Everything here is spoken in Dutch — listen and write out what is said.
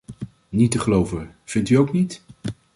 Niet te geloven, vindt u ook niet?